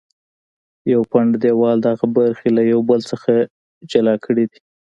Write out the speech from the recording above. یو پنډ دیوال دغه برخې له یو بل څخه جلا کړې دي.